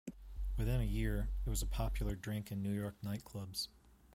Within a year, it was a popular drink in New York night clubs.